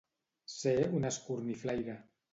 Ser un escorniflaire.